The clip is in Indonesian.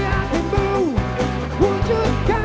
sang waktu terus berjalan